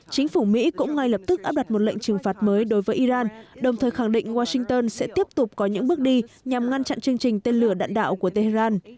chính phủ mỹ cũng ngay lập tức áp đặt một lệnh trừng phạt mới đối với iran đồng thời khẳng định washington sẽ tiếp tục có những bước đi nhằm ngăn chặn chương trình tên lửa đạn đạo của tehran